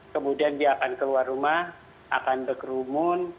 kemudian dia akan keluar rumah akan ke kerumun